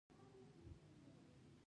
هغه کور د مینې او محبت کور و.